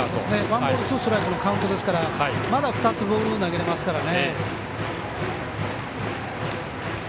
ワンボールツーストライクのカウントですからまだ２つボール投げれますから。